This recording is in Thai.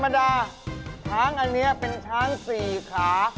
ตอนนี้ไม่ใช่ช้างทำไมแต่มีช่างจี๊ดจะเห่ยกมาย